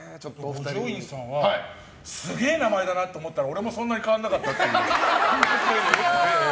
五条院さんはすげえ名前だなって思ったけど俺もそんなに変わらなかったっていう。